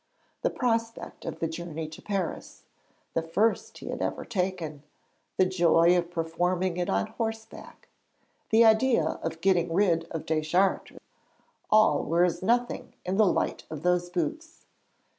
The prospect of the journey to Paris the first he had ever taken the joy of performing it on horseback, the idea of getting rid of Deschartres, all were as nothing in the light of those boots.